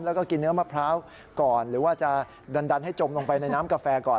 แล้วก็กินเนื้อมะพร้าวก่อนหรือว่าจะดันให้จมลงไปในน้ำกาแฟก่อน